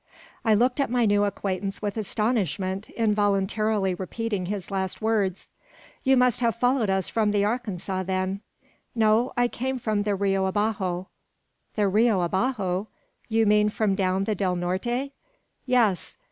I looked at my new acquaintance with astonishment, involuntarily repeating his last words. "You must have followed us from the Arkansas, then?" "No, I came from the Rio Abajo." "The Rio Abajo! You mean from down the Del Norte?" "Yes."